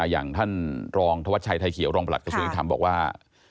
อย่างท่านรองธวัชชัยไทยเขียวรองประหลักกระทรวงยุทธรรมบอกว่า